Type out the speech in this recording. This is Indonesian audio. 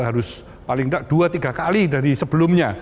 harus paling tidak dua tiga kali dari sebelumnya